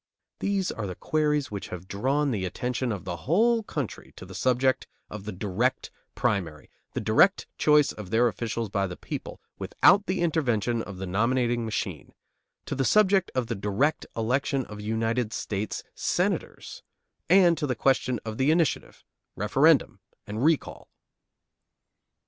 These are the queries which have drawn the attention of the whole country to the subject of the direct primary, the direct choice of their officials by the people, without the intervention of the nominating machine; to the subject of the direct election of United States Senators; and to the question of the initiative, referendum, and recall.